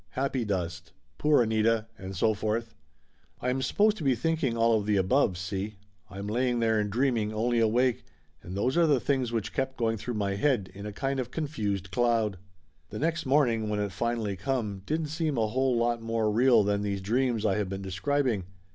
Happy dust Poor Anita. And so forth. I am supposed to be thinking all of the above, see? I'm laying there and. dreaming, only awake, and those are the things which kept going through my head, in a kind of confused cloud. The next morning, when it finally come, didn't seem a whole lot more real than these dreams I have been describing.